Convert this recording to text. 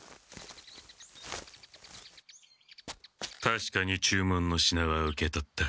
たしかに注文の品は受け取った。